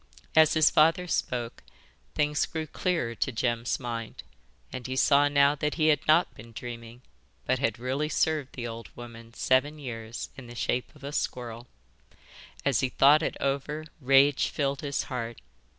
As his father spoke, things grew clearer to Jem's mind, and he saw now that he had not been dreaming, but had really served the old woman seven years in the shape of a squirrel. As he thought it over rage filled his heart.